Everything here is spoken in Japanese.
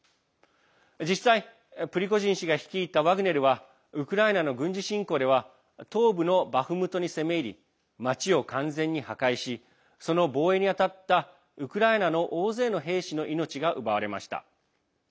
実際、プリゴジン氏が率いたワグネルはウクライナの軍事侵攻では東部のバフムトに攻め入り町を完全に破壊しその防衛に当たったウクライナの大勢の兵士の命が奪われました。